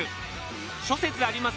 諸説あります